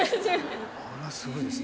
これはすごいですね。